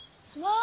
あ！